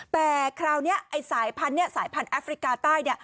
แต่คราวนี้สายพันธ์แอฟริกาใต้